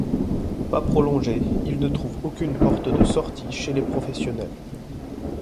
Pas prolongé, il ne trouve aucune porte de sortie chez les professionnels.